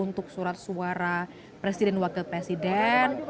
untuk surat suara presiden wakil presiden